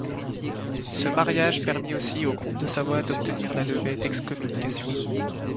Ce mariage permis aussi au comte de Savoie d'obtenir la levée d'excommunication.